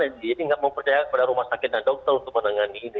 jadi tidak memperdayakan kepada rumah sakit dan dokter untuk menangani ini